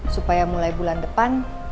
supaya mulai bulan depan